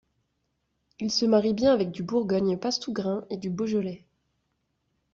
Il se marie bien avec du Bourgogne passe-tout-grains ou du Beaujolais.